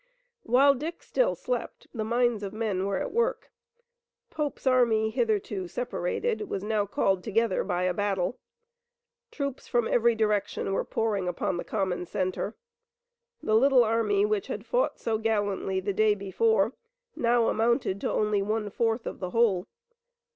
While Dick still slept, the minds of men were at work. Pope's army, hitherto separated, was now called together by a battle. Troops from every direction were pouring upon the common center. The little army which had fought so gallantly the day before now amounted to only one fourth of the whole.